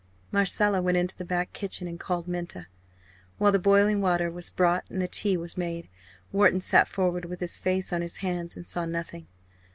Marcella went into the back kitchen and called Minta. While the boiling water was brought and the tea was made, Wharton sat forward with his face on his hands and saw nothing.